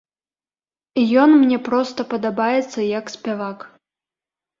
Ён мне проста падабаецца як спявак.